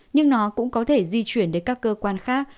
nhưng nó cũng có thể di chuyển đến các cơ quan khác